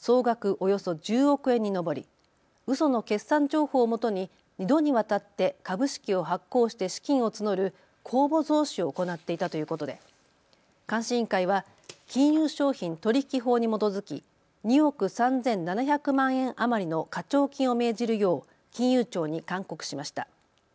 およそ１０億円に上りうその決算情報をもとに２度にわたって株式を発行して資金を募る公募増資を行っていたということで監視委員会は金融商品取引法に基づき２億３７００万円余りの課徴金を命じるよう金融庁に勧告しました。